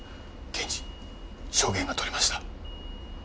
検事証言が取れました。